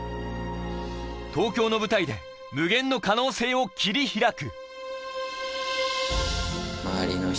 東京の舞台で無限の可能性を切り開く。